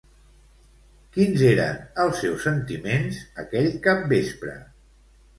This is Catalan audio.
Quins eren els seus sentiments aquell capvespre?